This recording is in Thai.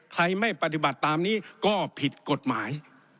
ใครไม่ปฏิบัติตามนี้ก็ผิดกฎหมาย